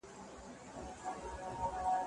زه له سهاره نان خورم!؟